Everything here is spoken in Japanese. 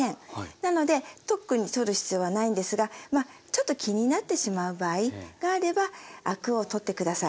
なので特に取る必要はないんですがちょっと気になってしまう場合があればアクを取って下さい。